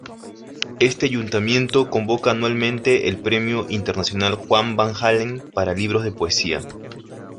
Este Ayuntamiento convoca anualmente el Premio Internacional Juan Van-Halen para libros de poesía.